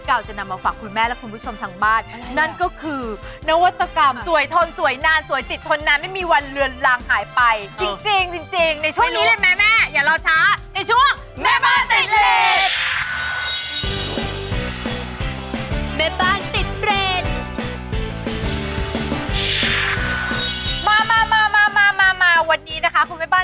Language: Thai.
เอามันมาเติมหน้าหน่อยดีกว่า